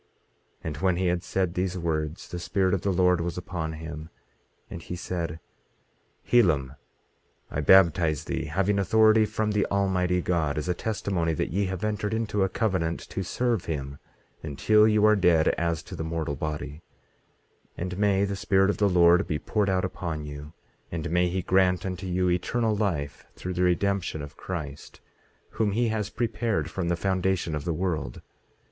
18:13 And when he had said these words, the Spirit of the Lord was upon him, and he said: Helam, I baptize thee, having authority from the Almighty God, as a testimony that ye have entered into a covenant to serve him until you are dead as to the mortal body; and may the Spirit of the Lord be poured out upon you; and may he grant unto you eternal life, through the redemption of Christ, whom he has prepared from the foundation of the world.